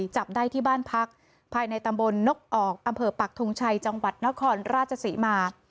จับได้ที่บ้านพักภายในตำบลนกออกอำเภอปักทงชัยจังหวัดนครราชศรีมา